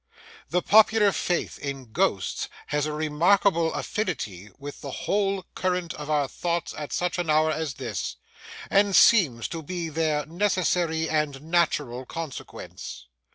The popular faith in ghosts has a remarkable affinity with the whole current of our thoughts at such an hour as this, and seems to be their necessary and natural consequence.